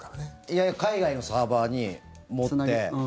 いや海外のサーバーに、持って。